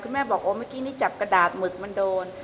แม่บอกโอ้เมื่อกี้นี่จับกระดาษหมึกมันโดน